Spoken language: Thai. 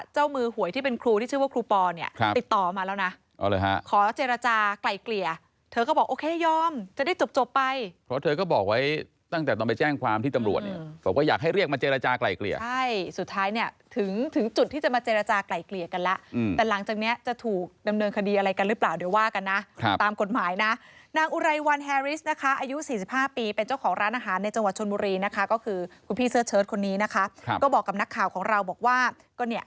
เจ้ามือหวยที่เป็นครูที่ชื่อว่าครูปอร์เนี่ยติดต่อมาแล้วนะเอาเลยฮะขอเจรจากลายเกลี่ยเธอก็บอกโอเคยอมจะได้จบจบไปเพราะเธอก็บอกไว้ตั้งแต่ตอนไปแจ้งความที่ตำรวจเนี่ยบอกว่าอยากให้เรียกมาเจรจากลายเกลี่ยใช่สุดท้ายเนี่ยถึงถึงจุดที่จะมาเจรจากลายเกลี่ยกันแล้วอืมแต่หลังจากเนี้ยจะถูกดำเนินคดีอะไร